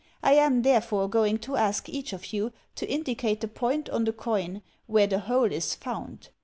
I am, therefore, going to ask each of you to indicate the point on the coin where the hole is foxind.